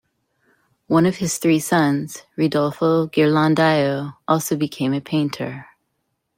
One of his three sons, Ridolfo Ghirlandaio, also became a painter.